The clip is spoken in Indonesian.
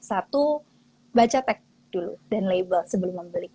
satu baca tek dulu dan label sebelum membeli